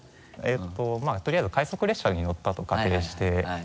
まぁとりあえず快速列車に乗ったと仮定して。